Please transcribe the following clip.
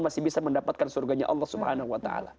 masih bisa mendapatkan surganya allah swt